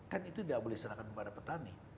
kan itu tidak boleh diserahkan kepada petani